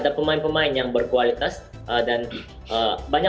dan saya juga bisa memperbaiki kemahiran saya